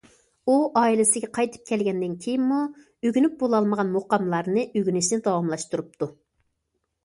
ئۇ ئائىلىسىگە قايتىپ كەلگەندىن كېيىنمۇ ئۆگىنىپ بولالمىغان مۇقاملارنى ئۆگىنىشنى داۋاملاشتۇرۇپتۇ.